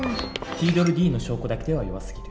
ティードルディの証拠だけでは弱すぎる。